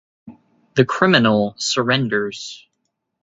The criminal surrenders.